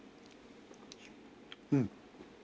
うん！